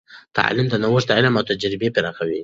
تعلیم د نوښت علم او تجربې پراخوي.